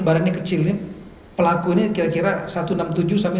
barangnya kecil pelakunya kira kira satu ratus enam puluh tujuh sampai satu ratus tujuh puluh